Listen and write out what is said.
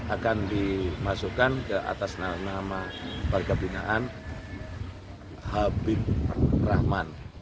akan dimasukkan ke atas nama warga binaan habib rahman